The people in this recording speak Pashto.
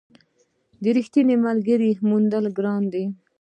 د رښتیني ملګري موندل ګران دي.